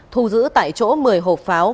thu giữ tại chỗ một mươi hộp pháo